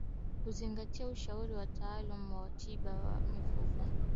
Kuzingatia ushauri wa wataalamu wa tiba za mifugo